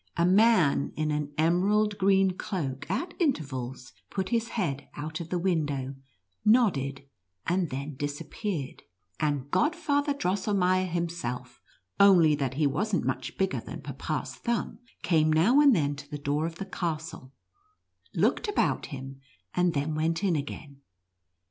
A man in an emerald green cloak, at intervals put his head out of the window, nodded, and then disappeared ; and Godfather Drosselmeier himself, only that he was not much bigger than Papa's thumb, came now and then to the door of the castle, looked about him, and then went in again.